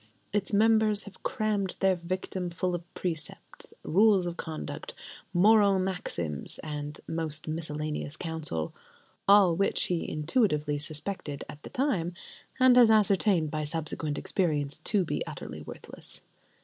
Its members have crammed their victim full of precepts, rules of conduct, moral maxims, and most miscellaneous counsel: all which he intuitively suspected at the time, and has ascertained by subsequent experience, to be utterly worthless.